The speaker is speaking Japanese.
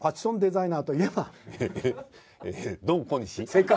正解！